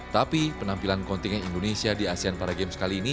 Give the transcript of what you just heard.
tapi penampilan kontingen indonesia di asean para games kali ini